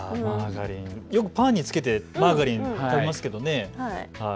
パンにつけて、マーガリン食べますけどね。